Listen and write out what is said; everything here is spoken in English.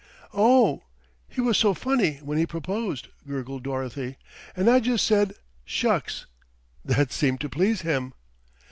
"Oh! he was so funny when he proposed," gurgled Dorothy, "and I just said 'shucks.' That seemed to please him."